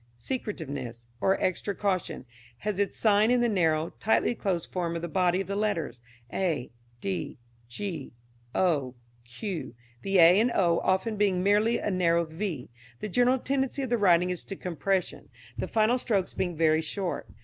Secretiveness, or extra caution, has its sign in the narrow, tightly closed form of the body of the letters a, d, g, o, q, the a and o often being merely a narrow v. The general tendency of the writing is to compression, the final strokes being very short.